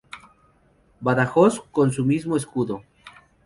Badajoz con su mismo escudo.